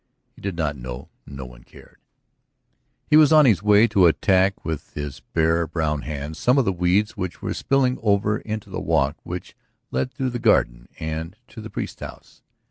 He did not know, no one cared. He was on his way to attack with his bare brown hands some of the weeds which were spilling over into the walk which led through the garden and to the priest's house.